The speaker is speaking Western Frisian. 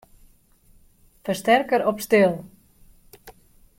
Fersterker op stil.